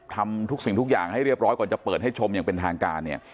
ทำทุกสิ่งทุกอย่างให้เรียบร้อยก่อนจะเปิดให้ชมอย่างเป็นทางการเนี่ย